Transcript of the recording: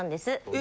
え？